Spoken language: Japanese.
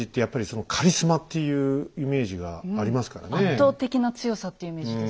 圧倒的な強さっていうイメージですよね。